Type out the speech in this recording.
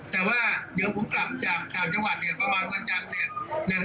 แต่ว่าเดี๋ยวผมกลับจากต่างจังหวัดเนี่ยประมาณวันจันทร์เนี่ย